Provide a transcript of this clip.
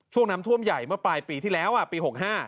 ช่วงน้ำท่วมใหญ่เมื่อปลายปีที่แล้วปี๖๕